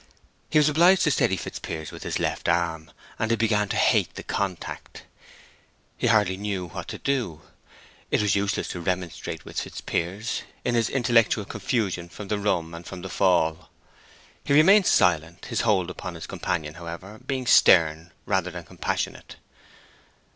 He was obliged to steady Fitzpiers with his left arm, and he began to hate the contact. He hardly knew what to do. It was useless to remonstrate with Fitzpiers, in his intellectual confusion from the rum and from the fall. He remained silent, his hold upon his companion, however, being stern rather than compassionate.